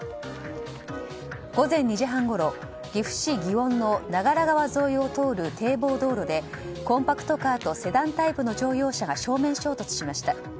午前２時半ごろ岐阜市祇園の長良川沿いを通る堤防道路でコンパクトカーとセダンタイプの乗用車が正面衝突しました。